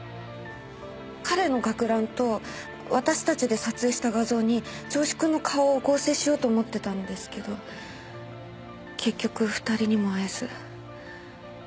彼の学ランと私たちで撮影した画像に銚子くんの顔を合成しようと思ってたんですけど結局２人にも会えず。